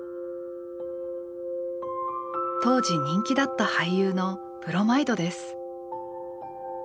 当時人気だった俳優のブロマイドです。